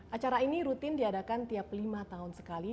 acara ini rutin diadakan tiap lima tahun sekali